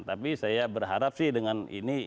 tapi saya berharap sih dengan ini